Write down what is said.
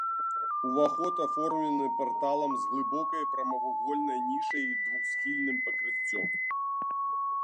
Уваход аформлены парталам з глыбокай прамавугольнай нішай і двухсхільным пакрыццём.